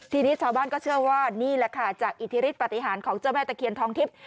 ทีนี้ชาวบ้านก็เชื่อว่านี่แหละค่ะจากอิทธิฤทธปฏิหารของเจ้าแม่ตะเคียนทองทิพย์